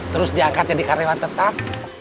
terus diangkat jadi karyawan tetap